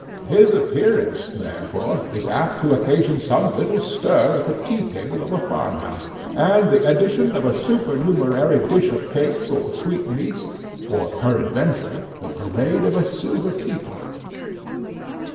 His appearance, therefore, is apt to occasion some little stir at the tea table of a farmhouse, and the addition of a supernumerary dish of cakes or sweetmeats, or, peradventure, the parade of a silver teapot.